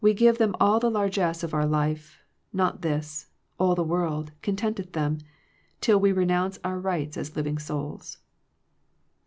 We ghre them all the largesse of our lift— Mot this, not all the world, contenteth them, TQI we renounce our rights as living souls."